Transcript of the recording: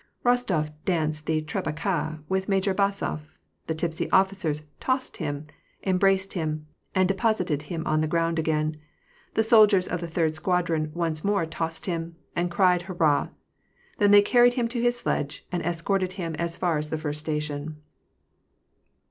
Rostof danced the trepakd with Major Basof; the tipsy ofiicers "tossed" him, embraced him, and deposited him on the ground again ; the soldiers of the third squadron once more " tossed " him and cried hurrah. Then they carried him to his sledge, and escorted him as far as the first station.